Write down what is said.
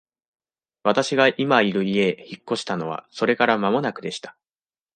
私が今居る家へ引っ越したのはそれから間もなくでした。